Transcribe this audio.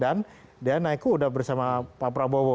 dan dia naik kuda bersama pak prabowo